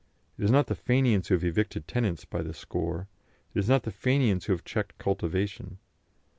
It is not the Fenians who have evicted tenants by the score. It is not the Fenians who have checked cultivation.